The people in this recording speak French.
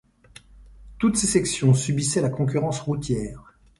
Toutes ces sections subissaient la concurrence routière.